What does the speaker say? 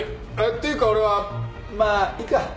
っていうか俺はまあいいか。